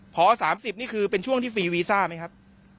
พอ๓๐นี่คือเป็นช่วงที่ฟรีวีซ่าไหมครับ